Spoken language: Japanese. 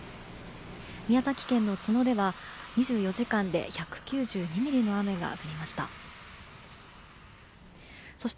宮崎県の都農では２４時間で１９２ミリの雨が降りました。